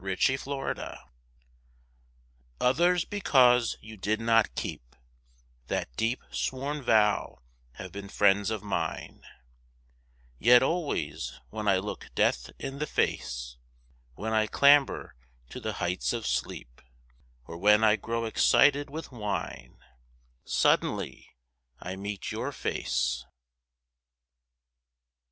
A DEEP SWORN VOW Others because you did not keep That deep sworn vow have been friends of mine; Yet always when I look death in the face, When I clamber to the heights of sleep, Or when I grow excited with wine, Suddenly I meet your face.